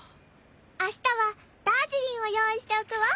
あしたはダージリンを用意しておくわ。